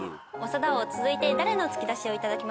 長田王続いて誰の突き出しを頂きましょう？